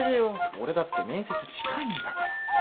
俺だって面接近いんだから。